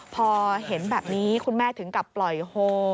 พอเห็นแบบนี้คุณแม่ถึงกับปล่อยโฮ